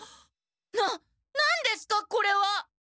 な何ですかこれは！？